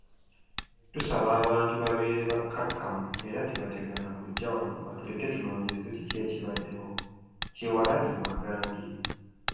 “Tusaba abantu babeere bakkakkamu era tebategana kujja wano batuleke tunoonyereze kiki ekibaddewo,” Kyewalabye bw'agambye.